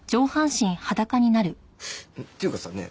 っていうかさねえ